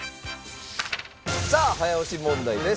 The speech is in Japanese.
さあ早押し問題です。